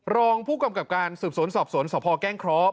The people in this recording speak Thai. รองผู้กำกับการสืบสวนสอบสวนสพแก้งเคราะห